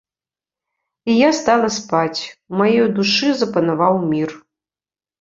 І я стала спаць, у маёй душы запанаваў мір.